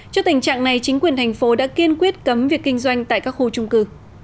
trước tình trạng này chính quyền thành phố đã kiên quyết cấm việc kinh doanh tại các khu trung cư